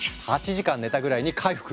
８時間寝たぐらいに回復。